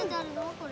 これ。